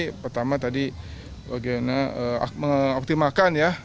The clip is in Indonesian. jadi pertama tadi bagaimana mengoptimalkan